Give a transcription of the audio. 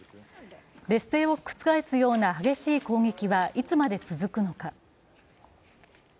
劣勢を覆すような激しい攻撃はいつまで続くのか。